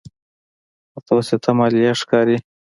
متوسطه ماليه ښکاري.